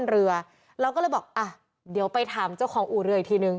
เรือเราก็เลยบอกอ่ะเดี๋ยวไปถามเจ้าของอู่เรืออีกทีนึง